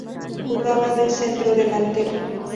Jugaba de centrodelantero.